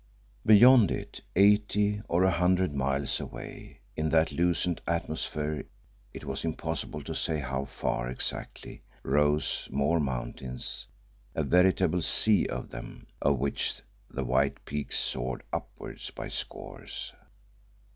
Beyond it, eighty or a hundred miles away in that lucent atmosphere it was impossible to say how far exactly rose more mountains, a veritable sea of them, of which the white peaks soared upwards by scores.